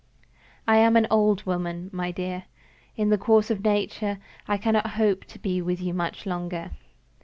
I am an old woman, my dear. In the course of nature, I cannot hope to be with you much longer.